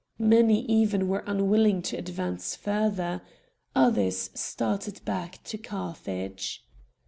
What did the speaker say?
Many even were unwilling to advance further. Others started back to Carthage.